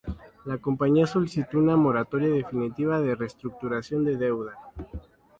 La compañía solicitó una moratoria definitiva de restructuración de deuda.